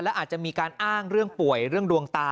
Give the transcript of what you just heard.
และอาจจะมีการอ้างเรื่องป่วยเรื่องดวงตา